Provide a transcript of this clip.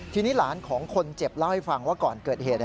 ทีนี้หลานของคนเจ็บเล่าให้ฟังว่าก่อนเกิดเหตุ